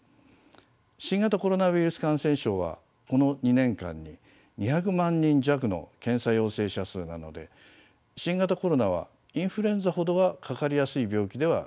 新型コロナウイルス感染症はこの２年間に２００万人弱の検査陽性者数なので新型コロナはインフルエンザほどはかかりやすい病気ではないようです。